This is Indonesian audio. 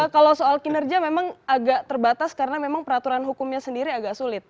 kalau soal kinerja memang agak terbatas karena memang peraturan hukumnya sendiri agak sulit